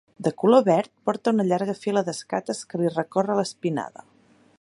De color verd, porta una llarga fila d'escates que li recorre l'espinada.